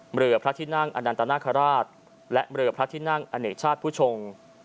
เรือพระที่นั่งอนันตนาคาราชและเรือพระที่นั่งอเนกชาติผู้ชง